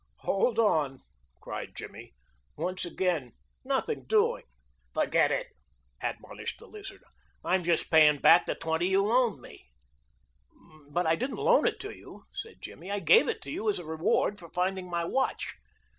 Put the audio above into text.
"Hold on!" cried Jimmy. "Once again, nothing doing." "Forget it," admonished the Lizard. "I'm just payin' back the twenty you loaned me." "But I didn't loan it to you," said Jimmy; "I gave it to you as a reward for finding my watch."